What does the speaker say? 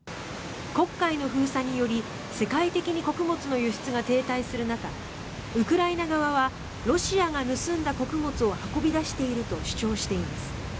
黒海の封鎖により世界的に穀物の輸出が停滞する中ウクライナ側はロシアが盗んだ穀物を運び出していると主張しています。